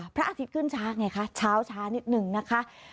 พระอาทิตย์ขึ้นช้าไงคะเช้าช้านิดหนึ่งนะคะ